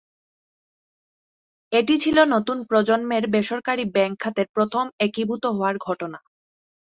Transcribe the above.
এটি ছিল নতুন প্রজন্মের বেসরকারী ব্যাংক খাতের প্রথম একীভূত হওয়ার ঘটনা।